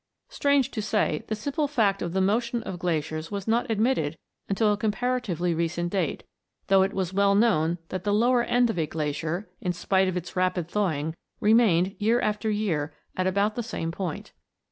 Strange to say, the simple fact of the motion of glaciers was not admitted until a comparatively recent date, though it was well known that the 246 MOVING LANDS. lower end of a glacier, in spite of its rapid thawing, remained year after year at about the same point.